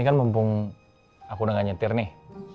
ini kan mumpung aku udah gak nyetir nih